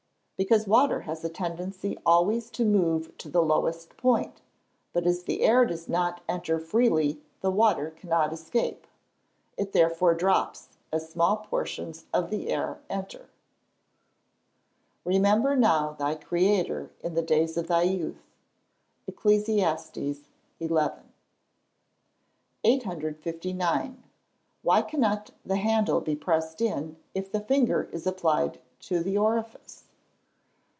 _ Because water has a tendency always to move to the lowest point, but as the air does not enter freely the water cannot escape. It therefore drops, as small portions of the air enter. [Verse: "Remember now thy creator in the days of thy youth." ECCLESIASTES XI.] 859. _Why cannot the handle be pressed in, if the finger is applied to the orifice?